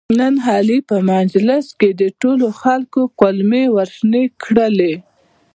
نن علي په مجلس کې د ټولو خلکو کولمې ورشنې کړلې.